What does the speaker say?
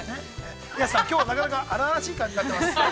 ◆安さん、きょうは、なかなか荒々しい感じになってます。